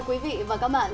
quý vị và các bạn